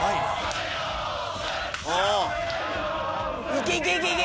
・いけいけいけ！